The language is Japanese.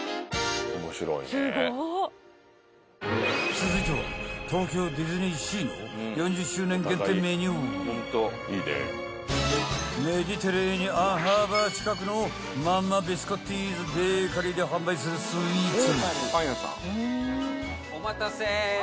［続いては東京ディズニーシーの］［メディテレーニアンハーバー近くのマンマ・ビスコッティーズ・ベーカリーで販売するスイーツ］